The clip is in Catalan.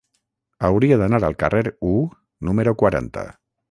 Hauria d'anar al carrer U número quaranta.